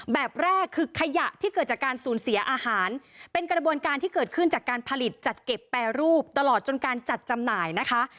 แบบแรกคือขยะที่เกิดจากการสูญเสียอาหารเป็นกระบวนการที่เกิดขึ้นจากการผลิตจัดเก็บแปรรูปตลอดจนการจัดจำหน่ายนะคะ